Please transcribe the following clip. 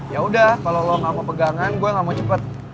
ya udah kalau lo gak mau pegangan gue gak mau cepet